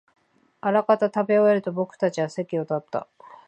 あらかた食べ終えると、僕たちは席を立った